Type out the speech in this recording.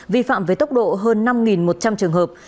vi phạm với tốc độ hơn năm một trăm linh trường hợp